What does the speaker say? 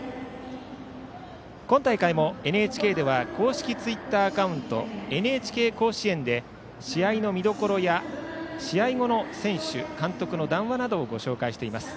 今大会もＮＨＫでは公式ツイッターアカウント「ＮＨＫ甲子園」で試合の見どころや試合後の選手、監督の談話などをご紹介しています。